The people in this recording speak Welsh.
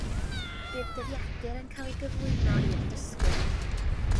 Bydd dyddiadur yn cael ei gyflwyno i'r dysgwyr